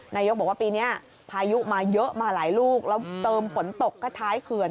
นายกบอกว่าปีนี้พายุมาเยอะมาหลายลูกแล้วเติมฝนตกก็ท้ายเขื่อน